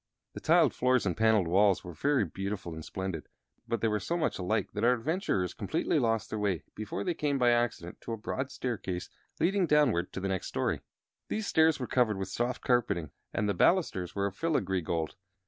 The tiled floors and paneled walls were very beautiful and splendid; but they were so much alike that our adventurers completely lost their way before they came by accident to a broad staircase leading downward to the next story. These stairs were covered with soft carpeting and the balusters were of filigree gold.